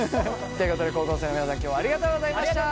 ということで高校生の皆さん今日はありがとうございました。